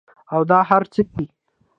او دا هر څۀ دي